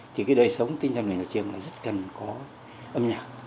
thì cái đời sống tinh thần của nhà trường là rất cần có âm nhạc